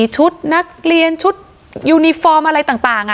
ชุดนักเรียนชุดยูนิฟอร์มอะไรต่าง